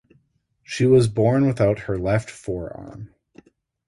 She was born without her left forearm.